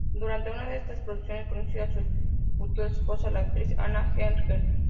Durante una de estas producciones conoció a su futura esposa, la actriz Anna Henkel.